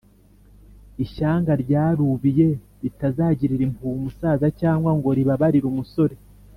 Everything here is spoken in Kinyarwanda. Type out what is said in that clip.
ishyanga ryarubiye, ritazagirira impuhwe umusaza cyangwa ngo ribabarire umusore.